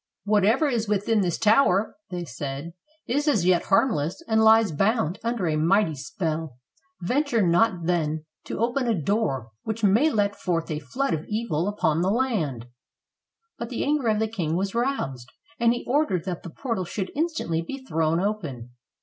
"Whatever is within this tower," said they, *'is as yet harmless and lies bound under a mighty spell; venture not then to open k door which may let forth a flood of evil upon the land." But the anger of the king was roused, and he ordered that the portal should instantly be thrown open.